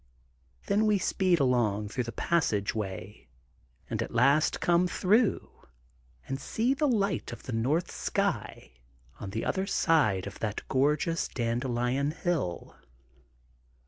Then we speed along through the passageway and at last come through and see the light of the north sky on the other side of that gorgeous dandelion hill.